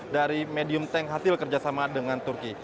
dari medium tank hasil kerjasama dengan turki